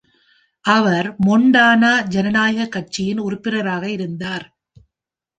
அவர் Montana ஜனநாயாகக் கட்சியின் உறுப்பினராக இருந்தார்.